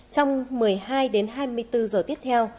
trong một mươi hai đến hai mươi bốn giờ tiếp theo